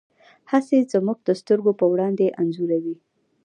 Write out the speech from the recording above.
هڅې زموږ د سترګو په وړاندې انځوروي.